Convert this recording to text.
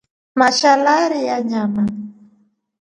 Mashalarii anyama.